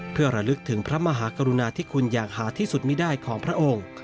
เพื่อระลึกถึงพระมหากรุณาที่คุณอย่างหาที่สุดไม่ได้ของพระองค์